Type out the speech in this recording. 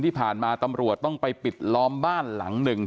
ที่ผ่านมาตำรวจต้องไปปิดล้อมบ้านหลังหนึ่ง